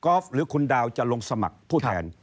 หรือคุณดาวจะลงสมัครผู้แทน